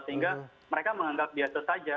sehingga mereka menganggap biasa saja